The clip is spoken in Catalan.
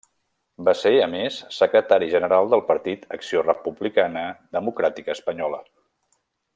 Va ser, a més, secretari general del partit Acció Republicana Democràtica Espanyola.